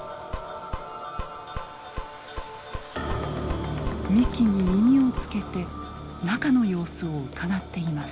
幹に耳をつけて中の様子をうかがっています。